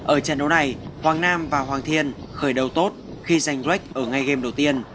ở trận đấu này hoàng nam và hoàng thiên khởi đầu tốt khi giành brek ở ngay game đầu tiên